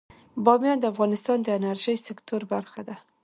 بامیان د افغانستان د انرژۍ سکتور برخه ده.